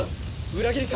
裏切りか？